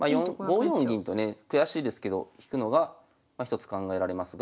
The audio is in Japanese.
四銀とね悔しいですけど引くのが一つ考えられますが。